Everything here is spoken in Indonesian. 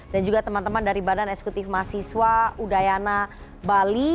dan juga teman teman dari badan eksekutif mahasiswa udayana bali